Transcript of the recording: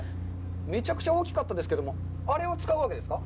めちゃくちゃ大きかったんですけども、あれを使うわけですか？